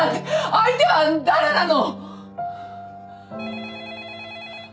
相手は誰なの！？